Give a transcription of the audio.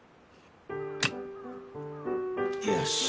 よし。